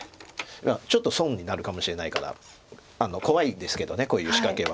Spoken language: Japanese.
ちょっと損になるかもしれないから怖いんですけどこういう仕掛けは。